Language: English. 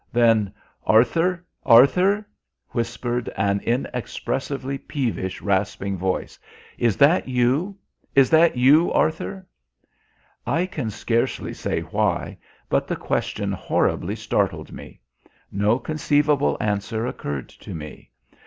Then, "Arthur, Arthur," whispered an inexpressively peevish, rasping voice, "is that you? Is that you, Arthur?" I can scarcely say why, but the question horribly startled me. No conceivable answer occurred to me.